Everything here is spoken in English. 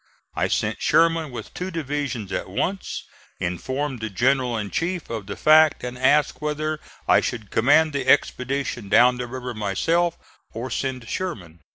I sent Sherman with two divisions at once, informed the general in chief of the fact, and asked whether I should command the expedition down the river myself or send Sherman.